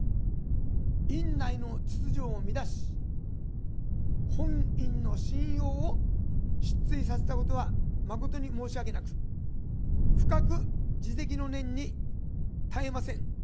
院内の秩序を乱し、本院の信用を失墜させたことは誠に申し訳なく、深く自責の念に堪えません。